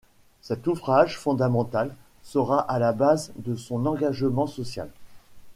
Cet ouvrage fondamental sera à la base de son engagement social.